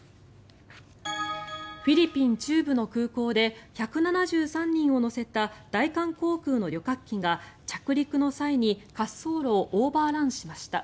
フィリピン中部の空港で１７３人を乗せた大韓航空の旅客機が着陸の際に滑走路をオーバーランしました。